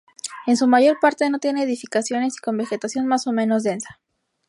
En su mayor parte no tiene edificaciones y con vegetación más o menos densa.